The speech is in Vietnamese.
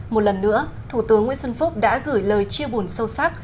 một lần nữa thủ tướng nguyễn xuân phúc đã gửi lời chia buồn sâu sắc